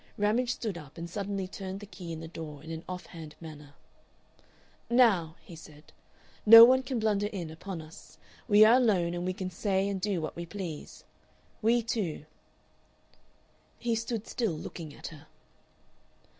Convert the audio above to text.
Ramage stood up, and suddenly turned the key in the door in an off hand manner. "Now," he said, "no one can blunder in upon us. We are alone and we can say and do what we please. We two." He stood still, looking at her.